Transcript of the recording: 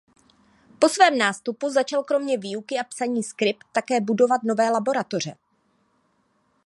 Po svém nástupu začal kromě výuky a psaní skript také budovat nové laboratoře.